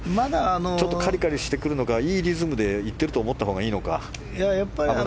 ちょっとカリカリしてくるのかいいリズムで打てていると思ったほうがいいのか。